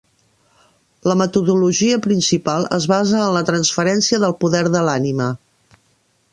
La metodologia principal es basa en la transferència del poder de l'ànima.